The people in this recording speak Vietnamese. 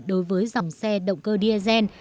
đối với dòng xe động cơ diesel